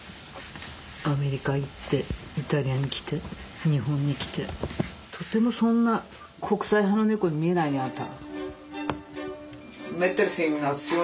アメリカ行ってイタリアに来て日本に来て。とてもそんな国際派の猫に見えないねあんた。